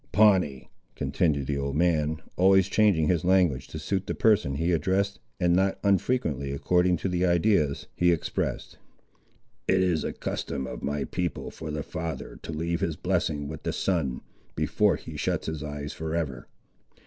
"Pawnee," continued the old man, always changing his language to suit the person he addressed, and not unfrequently according to the ideas he expressed, "it is a custom of my people for the father to leave his blessing with the son, before he shuts his eves for ever.